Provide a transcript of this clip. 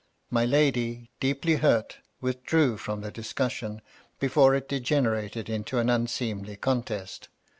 My lady, deeply hurt, withdrew from the discussion before it degenerated to an unseemly contest.